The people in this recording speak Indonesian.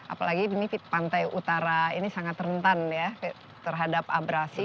apalagi ini pantai utara ini sangat rentan ya terhadap abrasi